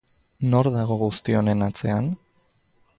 Nor dago guzti honen atzean?